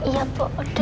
ya bu udah